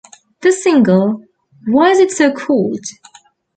The single Why's It So Cold?